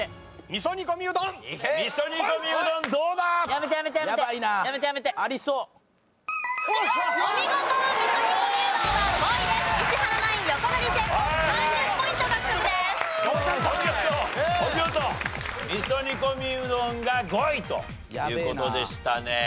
味噌煮込みうどんが５位という事でしたね。